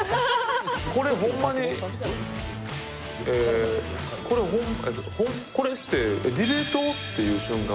これホンマに「これってディベート？」っていう瞬間